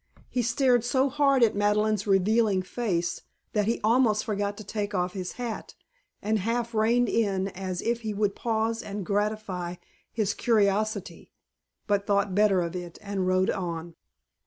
He stared so hard at Madeleine's revealing face that he almost forgot to take off his hat, and half reined in as if he would pause and gratify his curiosity; but thought better of it and rode on.